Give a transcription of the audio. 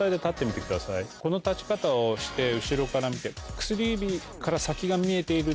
この立ち方をして後ろから見て。